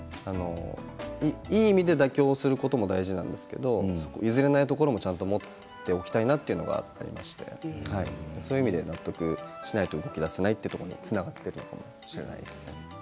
いい意味で妥協することも大事なんですけれど譲れないところもちゃんと持っておきたいなというところもあったりしてそういう意味で納得しないと動きだせないというところにつながるかもしれませんね。